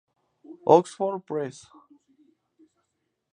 Oxford Press.